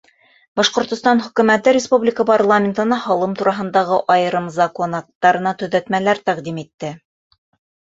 Башҡортостан Хөкүмәте республика парламентына һалым тураһындағы айырым закон акттарына төҙәтмәләр тәҡдим итте.